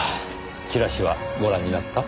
チラシはご覧になった？